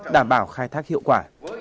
đảm bảo khai thác hiệu quả